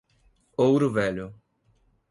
Ouro Velho